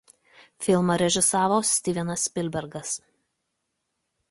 Filmą režisavo Stivenas Spilbergas.